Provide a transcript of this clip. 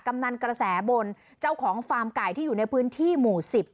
กำนันกระแสบนเจ้าของฟาร์มไก่ที่อยู่ในพื้นที่หมู่๑๐